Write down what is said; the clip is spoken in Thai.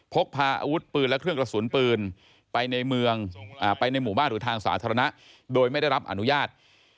พกพาอาวุธปืนและเครื่องกระสุนปืนไปในเมืองไปในหมู่บ้านหรือทางสาธารณะโดยไม่ได้รับอนุญาต